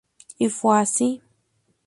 Y fue así.